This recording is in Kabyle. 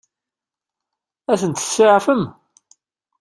Ad tent-tseɛfem?